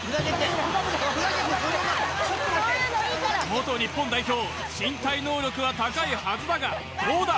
元日本代表身体能力は高いはずだがどうだ？